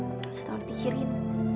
enggak usah terlalu dipikirin